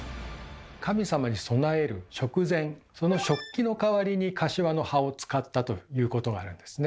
神様に供える食膳その食器の代わりに柏の葉を使ったということがあるんですね。